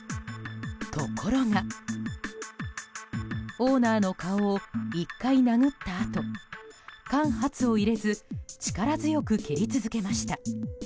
ところが、オーナーの顔を１回殴ったあと間髪を入れず力強く蹴り続けました。